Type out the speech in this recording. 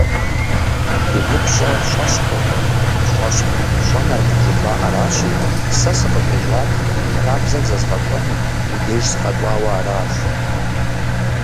УпщӀэ щӀэщхъуркъым, щӀэщхъу щӀэнэркъым жыхуаӀэращи, сэ сыкъыщӀежьар фи хабзэр зэзгъэщӀэну уи деж сыкъэкӀуауэ аращ.